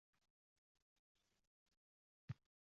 Nukusda qo‘mondonlik-shtab o‘quv mashqi o‘tkazildi